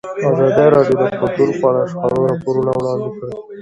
ازادي راډیو د کلتور په اړه د شخړو راپورونه وړاندې کړي.